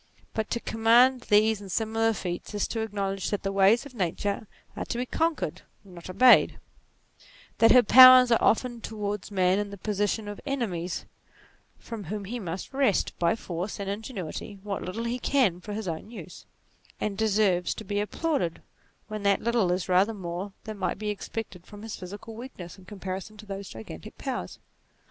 But to commend these and similar feats, is to acknowledge that the ways of Nature are to be conquered, not obeyed : that her powers are often towards man in the position of enemies, from whom he must wrest, by force and ingenuity, what little he can for his own use, and deserves to be applauded when that little is rather more than might be ex NATURE 21 pected from his physical weakness in comparison to those gigantic powers.